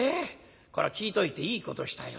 こら聞いといていいことしたよ。